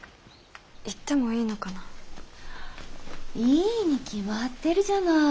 いいに決まってるじゃない。